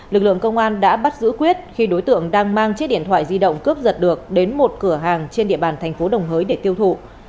lực lượng công an đã bắt giữ quyết khi đối tượng đang mang chiếc điện thoại di động cướp giật được đến một cửa hàng trên địa bàn thành phố đồng hới để tiêu thụ